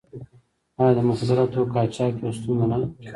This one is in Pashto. آیا د مخدره توکو قاچاق یوه ستونزه نه ده؟